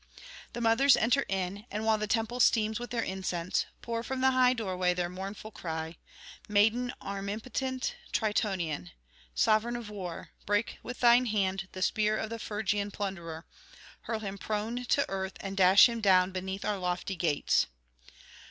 The mothers enter in, and while the temple steams with their incense, pour from the high doorway their mournful cry: 'Maiden armipotent, Tritonian, sovereign of war, break with thine hand the spear of the Phrygian plunderer, hurl him prone to earth and dash him down beneath our lofty gates.'